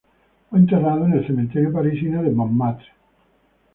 Fue enterrado en el cementerio parisino de Montmartre.